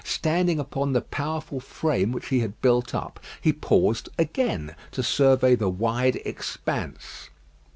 Standing upon the powerful frame which he had built up, he paused again to survey the wide expanse.